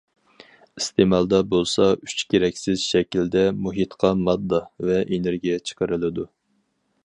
ئىستېمالدا بولسا،‹‹ ئۈچ كېرەكسىز›› شەكلىدە مۇھىتقا ماددا ۋە ئېنېرگىيە چىقىرىلىدۇ.